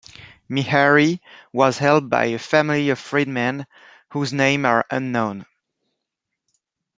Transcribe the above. Meharry was helped by a family of freedmen, whose names are unknown.